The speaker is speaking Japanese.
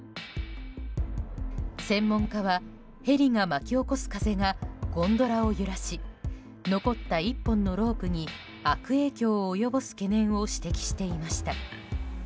専門家は、ヘリが巻き起こす風がゴンドラを揺らし残った１本のロープに悪影響を及ぼす懸念を指摘していました。